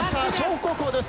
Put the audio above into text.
北高校です。